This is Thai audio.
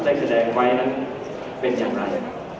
ได้แสดงไว้นั้นเป็นอย่างไร